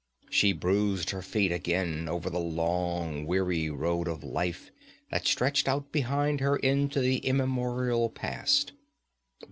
She bruised her feet again over the long, weary road of life that stretched out behind her into the immemorial past.